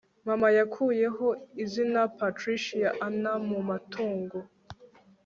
mama yakuyeho izina patricia ann mu matongo